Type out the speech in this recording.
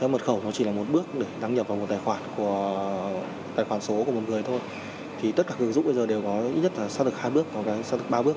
mật khẩu chỉ là một bước để đăng nhập vào một tài khoản số của một người thôi tất cả các ứng dụng bây giờ đều có ít nhất hai bước có ba bước